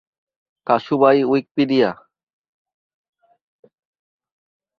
কাশুবীয় Wikipedia